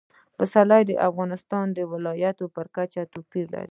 پسرلی د افغانستان د ولایاتو په کچه توپیر لري.